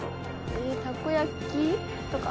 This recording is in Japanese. えたこ焼き？とか。